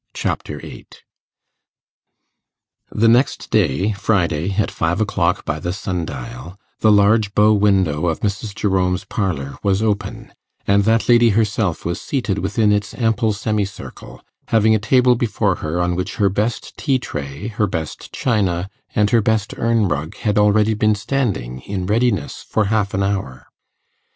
Chapter 8 The next day, Friday, at five o'clock by the sun dial, the large bow window of Mrs. Jerome's parlour was open; and that lady herself was seated within its ample semicircle, having a table before her on which her best tea tray, her best china, and her best urn rug had already been standing in readiness for half an hour.